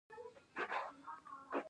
ایا ستاسو ناروغي به ساري نه وي؟